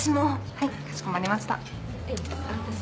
はいかしこまりました。